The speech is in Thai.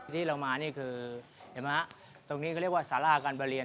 ที่เรามานี่คือเห็นไหมฮะตรงนี้เขาเรียกว่าสาราการประเรียน